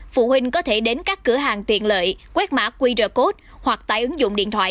phụ huynh có thể đến các cửa hàng tiện lợi quét mã qr code hoặc tải ứng dụng điện thoại